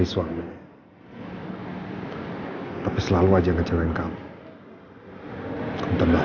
ini sebagai permintaan maaf aku buat kamu